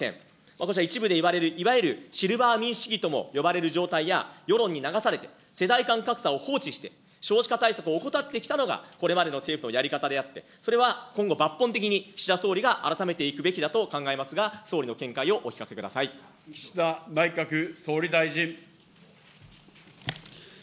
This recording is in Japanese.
私は一部で言われる、いわゆるシルバー民主主義とも呼ばれる状態や、世論に流されて世代間格差を放置して、少子化対策を怠ってきたのがこれまでの政府のやり方であって、それは今後抜本的に岸田総理が改めていくべきだと考えますが、総岸田内閣総理大臣。